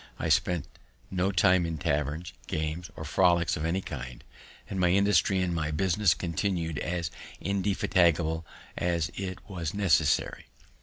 I spent no time in taverns, games, or frolicks of any kind; and my industry in my business continu'd as indefatigable as it was necessary.